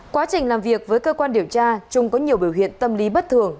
quá trình làm việc với cơ quan điều tra trung có nhiều biểu hiện tâm lý bất thường